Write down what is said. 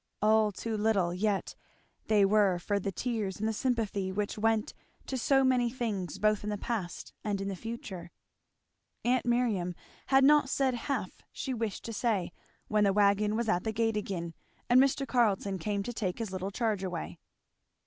All too little yet they were for the tears and the sympathy which went to so many things both in the past and in the future. Aunt Miriam had not said half she wished to say, when the wagon was at the gate again, and Mr. Carleton came to take his little charge away.